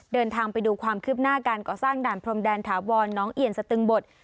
เดินทางไปดูความคืบหน้าการก่อสร้างด่านพรมแดนถาวรน้องเอียนสตึงบท